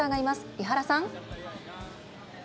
伊原さん。